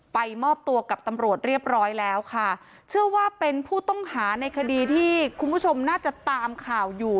มอบตัวกับตำรวจเรียบร้อยแล้วค่ะเชื่อว่าเป็นผู้ต้องหาในคดีที่คุณผู้ชมน่าจะตามข่าวอยู่